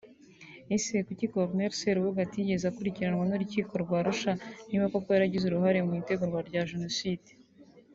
-Ese kuki Colonel Serubuga atigeze akurikiranwa n’urukiko rwa Arusha niba koko yaragize uruhare mu itegurwa rya Genocide